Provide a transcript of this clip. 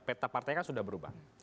peta partai kan sudah berubah